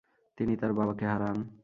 তিনি তার বাবাকে হারান।